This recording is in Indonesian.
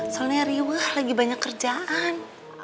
soalnya riwah lagi banyak kerjaan